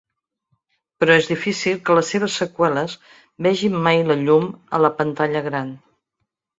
Però és difícil que les seves seqüeles vegin mai la llum a la pantalla gran.